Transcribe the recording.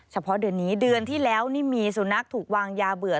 เฉพาะเดือนนี้เดือนที่แล้วนี่มีสุนัขถูกวางยาเบื่อ